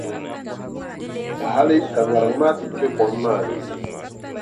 Hali ka ŋariŋ maa ti kpe kom maa ni.